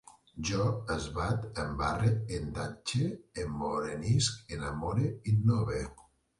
Jo esbat, embarre, entatxe, emmorenisc, enamore, innove